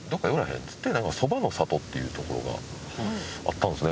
っつってなんか「そばのさと」っていう所があったんですね。